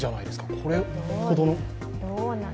これほどの。